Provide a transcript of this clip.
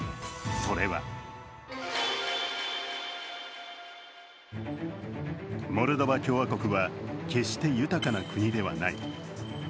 それはモルドバ共和国は決して豊かな国ではない。